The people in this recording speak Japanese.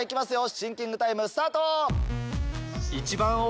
シンキングタイムスタート！